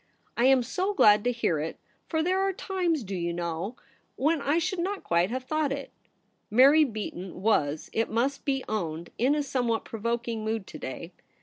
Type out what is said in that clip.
' I am so glad to hear it ; for there are times, do you know, when I should not quite have thought it.' Mary Beaton was, it must be owned, in a somewhat provoking mood to day.